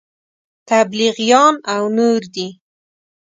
تبلیغیان او نور دي.